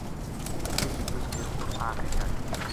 رِچھ اس کے اُپر آ کے چَڑھ گیو